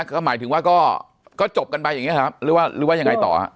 ก็หมายถึงว่าก็ก็จบกันไปอย่างเงี้ยครับหรือว่าหรือว่ายังไงต่อ